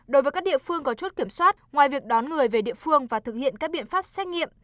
đối với các địa phương có chốt kiểm soát ngoài việc đón người về địa phương và thực hiện các biện pháp xét nghiệm